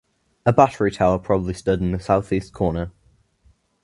A battery tower probably stood in the southeast corner.